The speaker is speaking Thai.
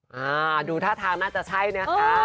ห้าฯดูท่าทางน่าจะใช่เนี่ยค่ะ